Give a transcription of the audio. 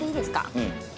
うん。